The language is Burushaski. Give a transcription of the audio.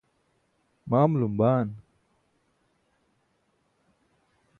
ma amulum baan?